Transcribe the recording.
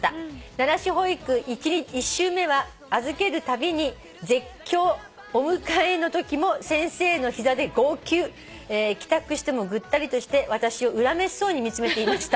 「慣らし保育１週目は預けるたびに絶叫」「お迎えのときも先生の膝で号泣」「帰宅してもぐったりとして私を恨めしそうに見つめていました」